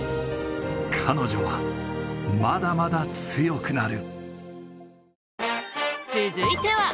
彼女は、まだまだ強くなる。